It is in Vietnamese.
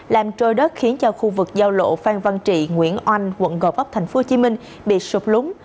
làm trôi đất khiến cho khu vực giao lộ phan văn trị nguyễn oanh quận gò vấp tp hcm bị sụp lúng